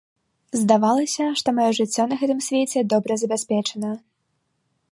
Здавалася, што маё жыццё на гэтым свеце добра забяспечана.